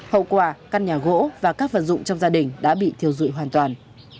hậu quả căn nhà gỗ và các vật dụng trong gia đình đã bị thiêu dụi hoàn toàn